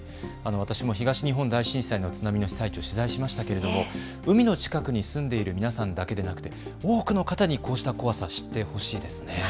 私も東日本大震災の津波の被災地を取材しましたけれども海の近くに住んでいる皆さんだけでなくて多くの方にこうした怖さ知ってほしいですよね。